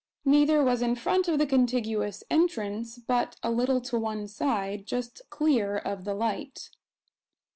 Neither was in front of the contiguous entrance; but a little to one side, just clear of the light.